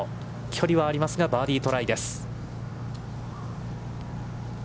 距離はありますが、バーディートライです。